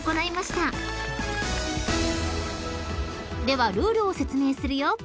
［ではルールを説明するよ］